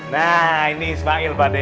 nah ini ismail pak de